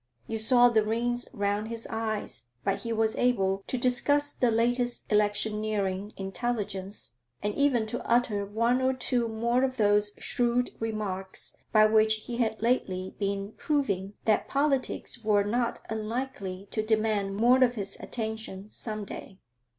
You saw the rings round his eyes, but he was able to discuss the latest electioneering intelligence, and even to utter one or two more of those shrewd remarks by which he had lately been proving that politics were not unlikely to demand more of his attention some day.